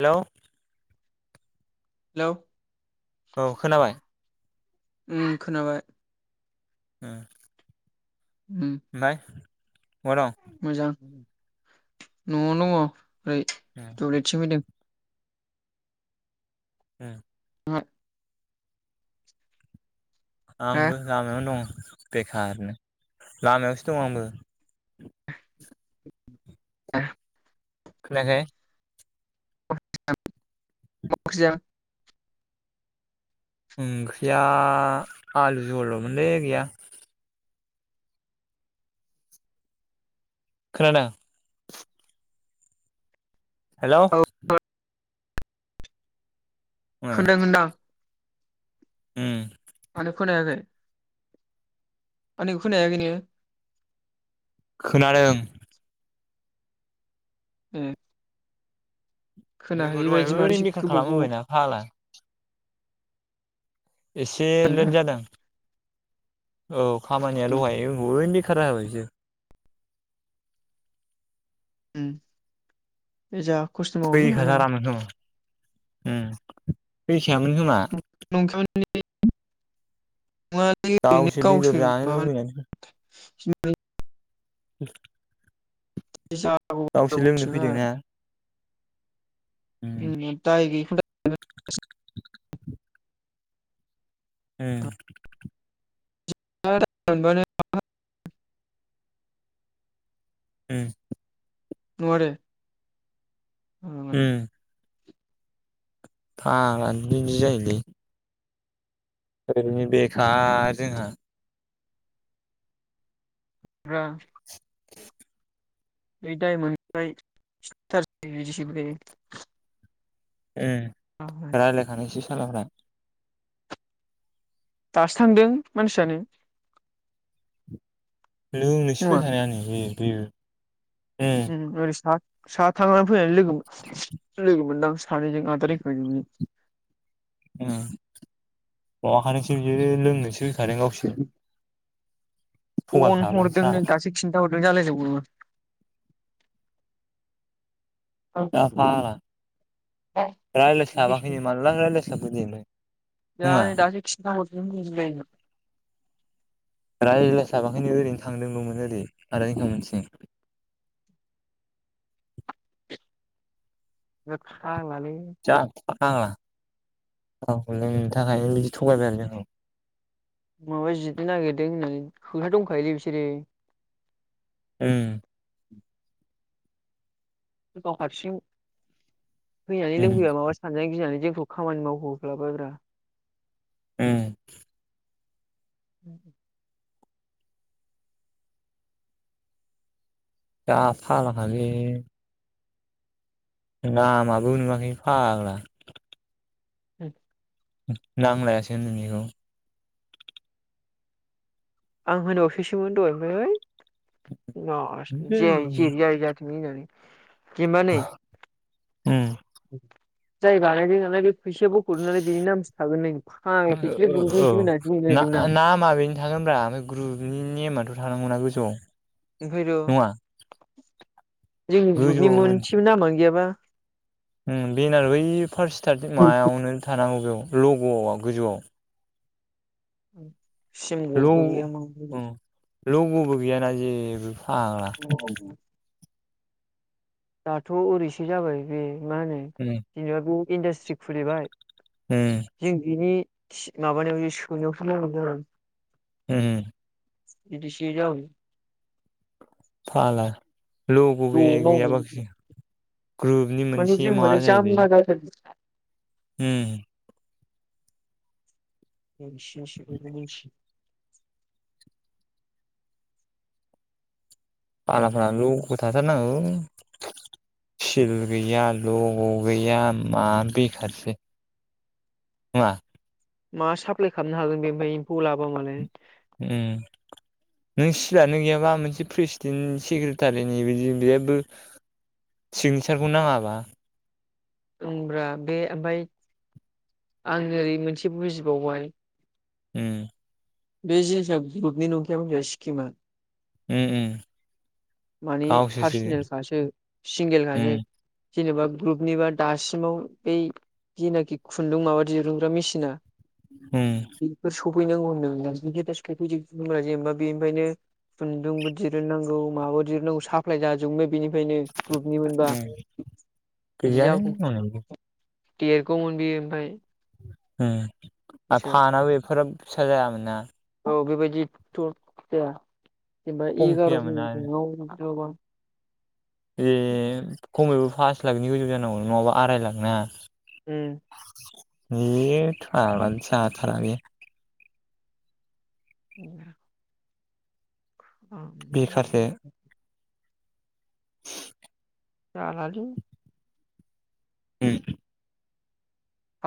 Hello hello औ खोनाबाय। उम खोनाबाय। हो उम ओमफ्राय महा दं? मोजां न'आव दङ। ओइ तयलेतथिं फैदों। ओ [unintelligible] आंबो लामायावनो दं। बेखार ओरैनो लामायावसो दं आंबो। [inaudible] खोनायाखै [unintelligible] मा ओंख्रि जाया? ओंख्रिया आलु जहल'मोनलै गैया खोनादों हेलौ औ [inaudible] ओ खोनायाखै आंनिखौ खोनाहैयाखै नोङो खोनादों ए जोङो खोनाहैयि दहाय बायदि ओरैनो मारैसो बेखार गोबाव खालामबोबायना फागला एसे लेट गोबाव जादों औ खामानिया उम दहाय ओरैनो बेखार जाबाय बादिसो ओ मिथिया बेखार जानानै दं उम फैसायामोन खोमा [inaudible] ओरैनो गावसोर बेदर जानो माबा लुबै [unintelligible] [inaudible] गावसो लोंनो फैदोंना [unintelligible] उम [unintelligible] [inaudible] ए [unintelligible] उम औ आरो उम [unintelligible] बिदि जायोलै ओरैनो बेखा जोंहा [unintelligible] बे [unintelligible] मोन ए रायलायखानिसै [unintelligible] दासो थांदों मानसियानो लोंनोसो फैखानायानो बियो बियो ओम [unintelligible] सा [unintelligible] फैनाय लोगो लोगो मोनदां? सानैजों आदा [unintelligible] ओम मबाखादोंसो बियो लोंनोसो यादों गावसोर फन थगायफ्लाबाय साला हरदोंनो दासों खिनथा हरदों। [unintelligible] आफाग्ला रायज्लायसाबाखैनो मालला रायज्लायसाबखो दे नों [unintelligible] दासो खिथा हरदो। [unintelligible] रायज्लायसाबाखैनो ओरैनो थांदोंल'मोन ओरैनो [unintelligible] थोद फाग्लालै जा [unintelligible] औ नोंनि थाखायनो [unintelligible] थगायबाय आरो [unintelligible] माबा जिदनो नागिरदोंनो होनो दंखायोलै बिसोरो ओम [inaudible] गाव हारसिं फैनानै उम लोंफैबा माबा सानजानो गिनानै लों थ' खामानि [unintelligible] बायग्रा ओम [inaudible] जा [unintelligible] खालै लामाबो नुवाखै फाग्ला [inaudible] नांलायासै [unintelligible] बेखौ आं होनो असेसोन [unintelligible] दहाय ओमफ्राय औ उम ज [unintelligible] ज [unintelligible] ज [unintelligible] ज [unintelligible] न जानि [unintelligible] कबानिै [unintelligible] जाय बानायदों नालाय बि फैसाया बख'दों नालाय बेनि नामसो थागोन नै फ ओ फैसायाो गसै ओ होननानै औ बुंनो ना नागिरदोंमोन आं नामा बेनो थागोनब्रा ओमफ्राय ग्रुपनि नेमाथ' थानांगौना गोजौयाव ओंखायथ' जोंनि ग्रुपनि गोजौआव मोन मोनसेबो नामयानो गैयाबा। बेनार बै फार्स्ट स्टार्टि मायावनो थानांगौ गो [unintelligible] लग'आव गोजौआव औ [inaudible] ल' सिमलुरखौ [unintelligible] गैया म [unintelligible] उम लग'बो गैयाना जेबो फाग्ला [inaudible] दाथ' ओरैसो जाबाय बे मा होनो उम जेनेबा इन्डासट्रि खुलिबाय उम जों बिनि माबानि सुनियाव ओम एदिसो जाबाय फ [unintelligible] लााय लग' ज' मावनो गैयाबाखि ग्रुपनि माने जों मोनसे माने माबा जाहैयोलै जाम्बा जाथारदों ओम बिसखौ [unintelligible] बुंस [unintelligible] बालाफोर लग' थाथारनांगौ सिल गैया लग' गैया मा बेखारसै नङा मा साप्लााय खालामनो हागोन बे ओमफ्राय एमफौ लाबा मालाय ओम नों सिलानो गैयाबा मोनसे प्रेसिडेन्ट सेक्रेटारिनि बिदि बेहबो सिगनेसारखौ नाङाबा होनब्रा बे ओमफफ्राय आं ओरै मोनसे बुजिबावबाय ओम बे जिनिसा ग्रुपनि नंखाया मोनथिनाय सिखिमा ओम ओम माने पार्सनेलखासो उम सिंगेलखासो जेनेबा ग्रुपनिबा दासिमाव बै जेनाखि खुनदुं माबा दिरुनग्रा मेसिना होम है नांगौ होनदोंमोनना जेनबा बेनिफायनो जों खुुंबो दिरुं नांगौ माबाब। [unintelligible] साप्लाय जाजोबनो।। बेनिफायनो ग्रुपनि मोनबा बिदि गैयानो जाखौब। मावनांगौ देरगौमोन बियो ओमफाय। होम। आरो थानाबो। [unintelligible] फिसा जायामोन ना। औ बेबायदि। [unintelligible] एबा खम फैयामोन एगार'जोन आरो मुंङाव एबार। ए खमैबो। फास लाखनि गोजौ जानांगौ नङाबा आराय लाक ना? उम। ए फाग्ला जाथारालै। [unintelligible] उम बेखारसो [unintelligible] [inaudible] जाला लै। उम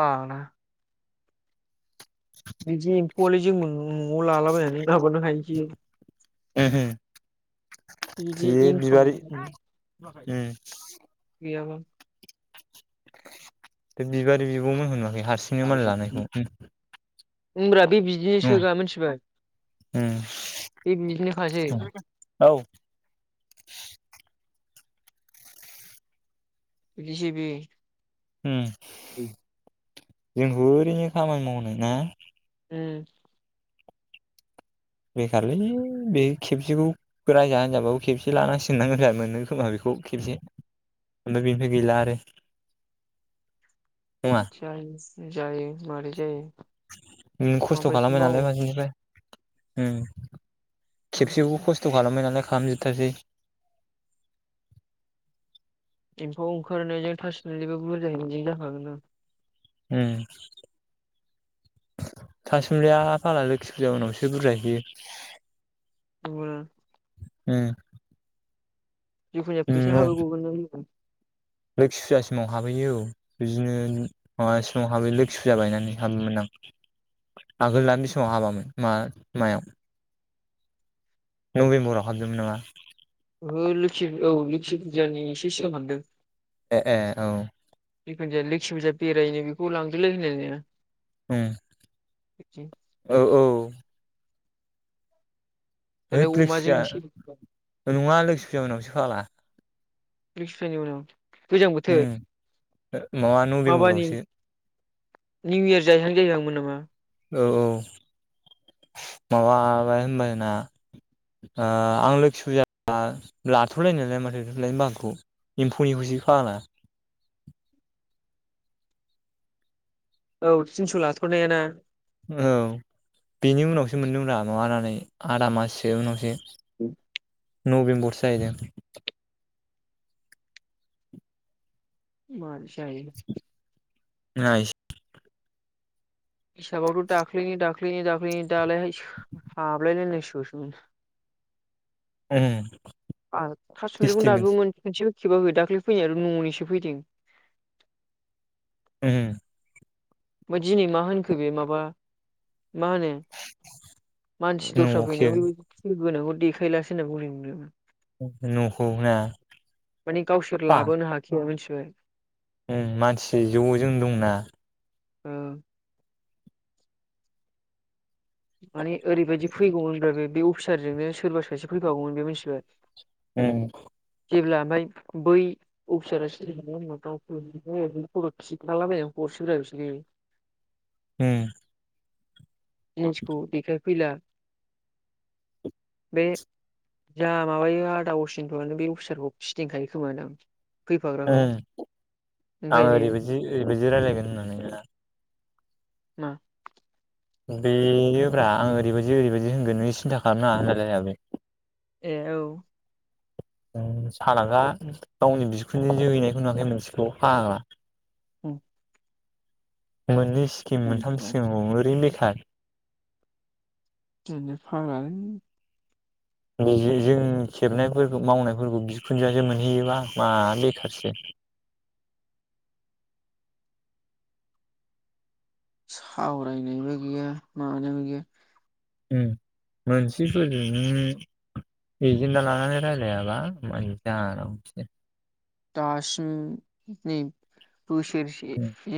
ओ ना। [unintelligible] [unintelligible] ओ हो बिदि बे इनकाम बिबारि। उम गैयाबा। बे बिबारि बिबौमोन होनना बे हारसिंनो माल लानायखौ उम उमब्रा। बे बिदिनोसोगा मोनथिबाय उम बे बिदिनोखासै। औ जिसिबि। उम। [unintelligible] जोंखौ ओरैनो खामानि मावनाय ना? उम। बेखारलै बे खेबसेखौ रायजा होनजाबाबो खेबसे लानांसिननांगोनदां मोनगोन खोमा बेखौ खेबसे ओमफ्राय बेनिफाय गैला आरो। साइनस। जायो। मारै जायो उम खस्थ' माबायदि खालामो मावो नालाय माजिनिफ्राय। उम खेबसेबो खस थ' खालामबायनालाय खालाम जोबथारसै एम्फौ ओंखारनायजों थासिमुलिबो बुरजायैनायजों जाखागोन ना उम थासुमलिया फाग्ला लोखि फुजा उनावसो बुरजा हैयो। नंगौ ना उम जिखु जाया फैसा नंगौ हाबैबावगोन दां लोगो लोखि फुजासिमाव हाबहैयो औ बिदिनो माबासिमाव हाबैयो लोखि फुजा बायनानै हाबोमोन आं आगोल दान समाव हाबामोन मा मायाव नबेम्बराव हाबदोंमोन नामा? ओहो लोखि औ लोकि फुजानि एसे सिगां हाबदों। ए ए औ जिखु जाया लोखि बेरायनो बेखौ लांदोलै होनलाय लाननाया उम बिथिं [unintelligible] औ औ हैद दालाय लोखि अमाजों फुजा नङा एसे लोखि फुजा नङा लोखि फुजानि उनावसो फाग्ला लोखि फुजानि उनाव गोजां बोथोर उम माबा माबानि नभेम्बरावसो निउ इयार जाहैानो जाहैखांमोन नामा? औ औ माबाबाय होनबाना आं लोखि फुजा लाथ'लाय नालाय माथो लथ'लाय बागोखौ एम्फौनिखौसो फाग्ला औ थिनस' लाथ'रनाया ना? औ बेनि उनावसो मोनदोंरा आदा माससो उनावसो [inaudible] नभेम्बरसो जाहैदों। मानसि आयि [unintelligible] नायश [unintelligible] हिसाबावथ' दाख्लैनि दाख्लैनि दाख्लैनि दालाय सो हाबलायलायनाय लानांसिगौसोमोन। ओं थासुमब्लिखौनो दाबो मोनसेबो खेबाखै दाख्लै फैनाय न'निसो फैदों। उम ओमफ्राय दिनै मा होनखो बे माबा मा होनो मानसि दस्रा न'खि फैनायाव बेबायदि [unintelligible] देखायलासो होनना बुंदों बुंदोंमोन। न'खौ ना माने गावसोर बा लाबोनो [inaudible] उम मानसि ज'जों दंना ओ माने ओरैबायदि फैगौमोन फ्राय बे बे अफिसारजोंनो सोरबा सासे फैफागौमोन बे मोनथिबाय उम जेब्ला ओमफ्राय बै अफिसारा [unintelligible] खिनथालाबाय हारसैब्रा बिसोरो उम मिथिगौ बेखौ फैला बे जा माबायो आदा असिनथ' आनो बे अफिसारखौ फिदिंखायो खोमोन दां उम आं ओंखायनो ओरैबायदि ओरैबायदि रायजलायगोन होननानै लिराया मा बेयोब्रा आं ओरैबायदि ओरैबायदि होनगोन नों सिन्था खालामनााङा होनलाय नानै ए औ सालाागा गावनि बिखुमजोनो जोहैनायखौ नुवाखै मोनसेखौ फाग्ला औ [unintelligible] सिकिम मोनथाम सिकिमखौ एरैनो सार [unintelligible] बिजों जों खेबनाय गयनाय मावनायफोरखौ बिखुमजोयासो मोनहैयोबा मा बेखारसो सावरायनायबो गैया मानायबो गैया। उम मोनसे सोदोबनि एजेनडा लानानै रायजलायाबा मा जानांगौसै दासिम नै बोसोरसे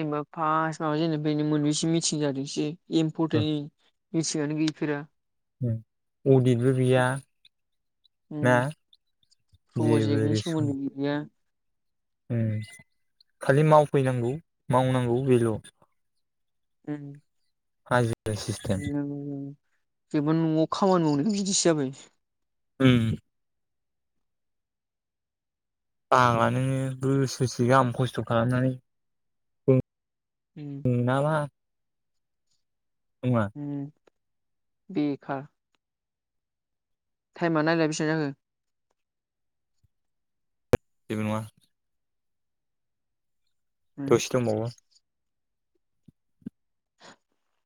एबो फासयाव एनिबिनि मोनबैसो मिटिं जादोंसै इमपथैय मिथिंयानो गैफेरा अडितबो गैया। उम ना जेबो प्रजेगनि रेसपन सोमोनदैबो गैया। खालि मावफैनांगौ मावनांगौ बेल' उम आ नोंङो बेबो न'आव खामानि मावनाय बिदिसो जाबाय। उम आंहानो नै बोसोरसे गाहाम खस्थ' खालामनानै उम नांङा। उम बेेखार टाइमेया नायलाय बेसेबां जाखो जेबो नंङा। उम दसे दंबावो [inaudible]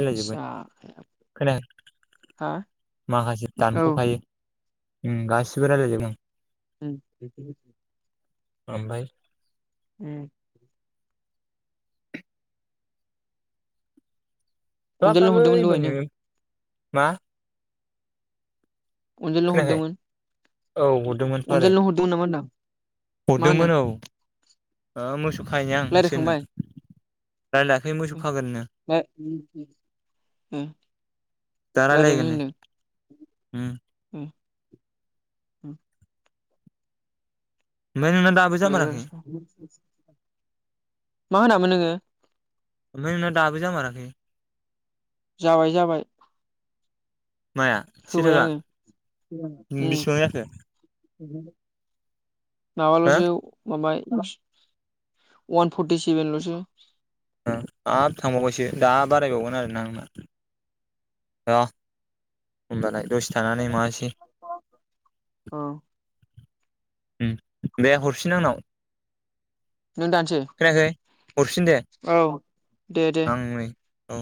मिलायजोबगोन जाया खोनाया हा माखासे औ दानसखायो उम गास रायलायदोनि [unintelligible] ओमबाय उम अनजालु हाबाफ्राबो हरदोंमोन दहायनो एबारनो मा अनजालु खोनायाखै हरदोंमोन औ हरदोंमोनथ' आरो अनजालु हरदोंमोन नामा होनदां मा होनदों आ मासे दुखायनो आं होसोरनो रायलायखांबाय रायलायाखै मोसौ खागोननो दा रायलायनो रायलायगोननो उम उम ओमफाय नोंना दाबो जामाराखै? मा होनामोन नोङो? फाय नोंना दाबो जामाराखै? जाबाय जाबाय। माया से होबाय थाखा आङो उम बिसिबां जाखो? [inaudible] हो माबाल'सो माबाय वान फर्टि सेभेन लसो आ आरो थांबावबायसो दा बारायबावगोन आरोना आंना आ होमबालाय। दसे थानानै मान‌से औ उम दे हरफिन आंनाव। नों दानसै खोनायाखै हरफिन दे औ दे दे। आं नै औ